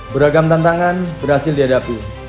beragam tantangan berhasil dihadapi